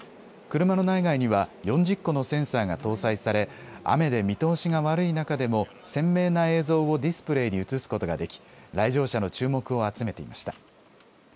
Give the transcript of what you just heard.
車の内外には４０個のセンサーが搭載され雨で見通しが悪い中でも鮮明な映像をディスプレーに映すことができ来場者の注目を集めていました。